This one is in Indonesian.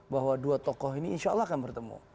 bahwa dua tokoh ini insya allah akan bertemu